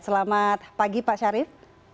selamat pagi pak syarif